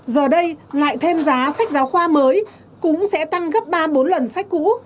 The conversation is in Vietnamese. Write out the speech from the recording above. giờ đây lại thêm giá sách giáo khoa mới cũng sẽ tăng gấp ba bốn lần sách cũ